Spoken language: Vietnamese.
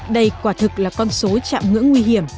đây quả thực là con số chạm ngưỡng nguy hiểm